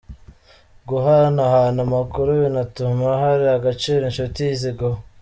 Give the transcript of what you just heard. Guhanahana amakuru binatuma hari agaciro inshuti ziguha.